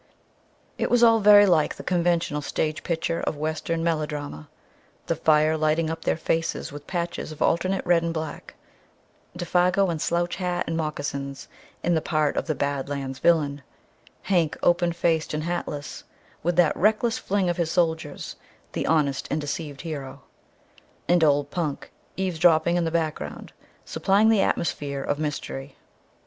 It was all very like the conventional stage picture of Western melodrama: the fire lighting up their faces with patches of alternate red and black; Défago, in slouch hat and moccasins in the part of the "badlands" villain; Hank, open faced and hatless, with that reckless fling of his shoulders, the honest and deceived hero; and old Punk, eavesdropping in the background, supplying the atmosphere of mystery.